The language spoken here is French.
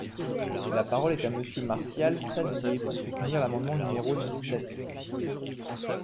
La parole est à Monsieur Martial Saddier, pour soutenir l’amendement numéro dix-sept.